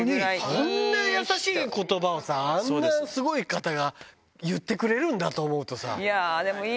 こんな優しいことばをさ、あんなすごい方が言ってくれるんだと思うとさ。